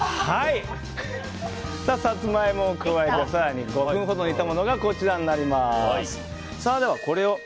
サツマイモを加えて更に５分ほど煮たものがこちらになります。